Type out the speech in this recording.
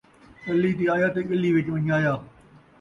تلی تے آیا تے ڳلی ءِچ ونڄایا